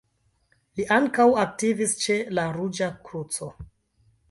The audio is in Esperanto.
Li ankaŭ aktivis ĉe la Ruĝa Kruco.